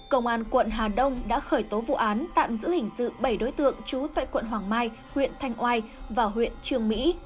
công an quận hà đông đã khởi tố vụ án tạm giữ hình sự bảy đối tượng trú tại quận hoàng mai huyện thanh oai và huyện trường mỹ